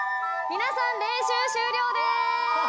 皆さん練習終了でーす！